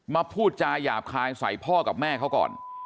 พูดจาหยาบคายใส่พ่อกับแม่เขาก่อน